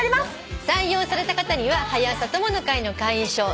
採用された方には「はや朝友の会」の会員証そして。